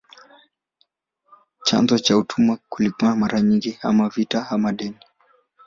Chanzo cha utumwa kilikuwa mara nyingi ama vita ama madeni.